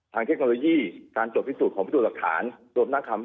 ทางเทคโนโลยีการโจทย์พิสูจน์ของพิศมนตร์ลักษรเครื่องหน้าคำ